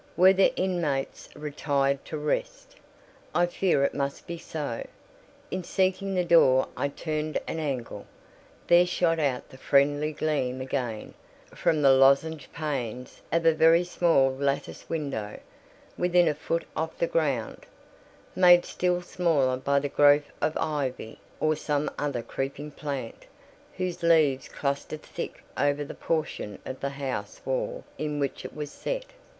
Were the inmates retired to rest? I feared it must be so. In seeking the door, I turned an angle: there shot out the friendly gleam again, from the lozenged panes of a very small latticed window, within a foot of the ground, made still smaller by the growth of ivy or some other creeping plant, whose leaves clustered thick over the portion of the house wall in which it was set.